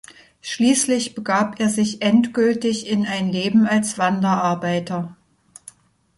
Schließlich begab er sich endgültig in ein Leben als Wanderarbeiter.